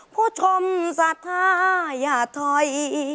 ผู้ชมศาธิอย่าท้อย